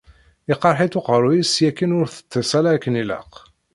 Iqerreḥ-itt uqerruy-is seg akken ur teṭṭis ara akken ilaq.